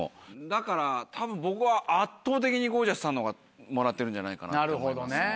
だからたぶん僕は圧倒的にゴー☆ジャスさんの方がもらってるんじゃないかなって思います。